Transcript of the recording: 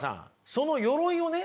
その鎧をね